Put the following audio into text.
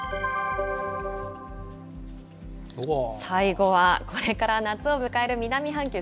最後はこれから夏を迎える南半球。